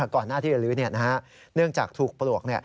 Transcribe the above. ก่อนหน้าที่จะลื้อเนื่องจากถูกปลวก